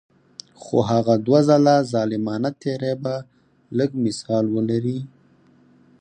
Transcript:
خو هغه دوه ځله ظالمانه تیری به لږ مثال ولري.